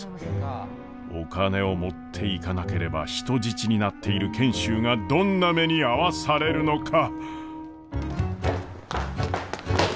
お金を持っていかなければ人質になっている賢秀がどんな目に遭わされるのか。